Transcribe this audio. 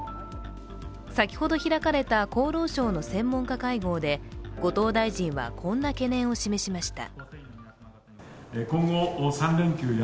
先ほど開かれた厚労省の専門家会合で後藤大臣はこんな懸念を示しました。